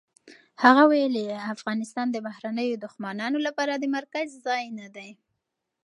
هغه ویلي، افغانستان د بهرنیو دښمنانو لپاره د مرکز ځای نه دی.